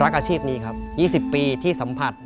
อาชีพนี้ครับ๒๐ปีที่สัมผัส